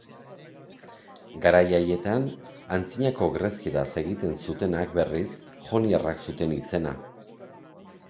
Garai haietan antzinako grezieraz egiten zutenak, berriz, joniarrak zuten izena.